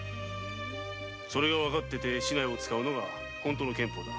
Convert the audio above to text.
それが分かってて竹刀を使うのがまことの剣法だ。